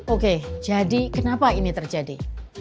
oke jadi kenapa ini terjadi